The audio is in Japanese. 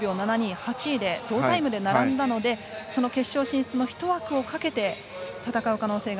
８位で同タイムで並んだのでその決勝進出の１枠をかけて戦う可能性が。